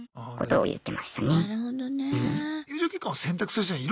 なるほどね。